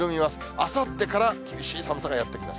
あさってから厳しい寒さがやって来ます。